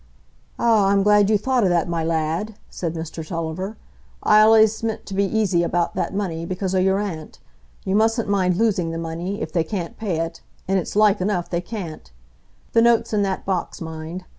"Ah! I'm glad you thought o' that, my lad," said Mr Tulliver. "I allays meant to be easy about that money, because o' your aunt. You mustn't mind losing the money, if they can't pay it,—and it's like enough they can't. The note's in that box, mind!